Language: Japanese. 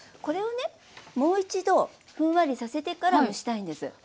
これをねもう一度ふんわりさせてから蒸したいんです。